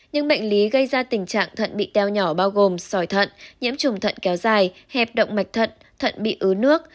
những bệnh lý gây ra tình trạng thận bị teo nhỏ bao gồm sỏi thận nhiễm trùng thận kéo dài hẹp động mạch thận thận bị ứ nước